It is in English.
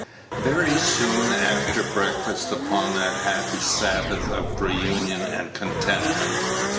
Very soon after breakfast upon that happy Sabbath of reunion and contentment.